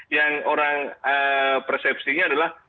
yang orang persepsinya adalah